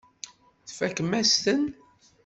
Tfakem-as-ten.